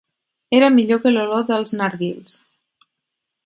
Era millor que l'olor dels narguils.